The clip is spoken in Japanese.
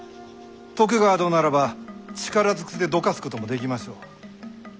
徳川殿ならば力ずくでどかすこともできましょう。